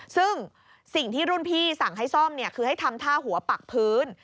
ซึ่งสิ่งที่รุ่นพี่สั่งให้ซ่อมคือให้ทำท่าหัวปักพื้น